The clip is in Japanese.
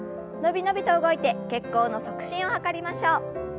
伸び伸びと動いて血行の促進を図りましょう。